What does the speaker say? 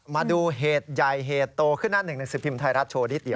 มาดูเหตุใหญ่เหตุโตขึ้นหน้าหนึ่งหนังสือพิมพ์ไทยรัฐโชว์นิดเดียว